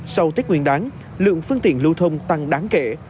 sau tết nguyên đáng lượng phương tiện lưu thông tăng đáng kể